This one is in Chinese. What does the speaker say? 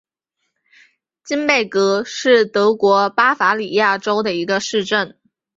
金贝格是德国巴伐利亚州的一个市镇。